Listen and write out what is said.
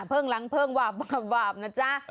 พรุ่งหลังพรุ่งหวาบนะจ๊ะ